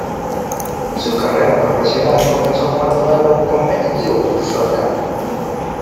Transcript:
Su carrera profesional comenzó cuando ganó un competitivo concurso de canto.